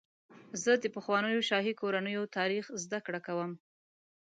زه د پخوانیو شاهي کورنیو تاریخ زدهکړه کوم.